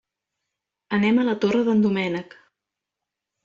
Anem a la Torre d'en Doménec.